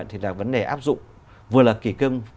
thì là vấn đề áp dụng vừa là kỳ cưng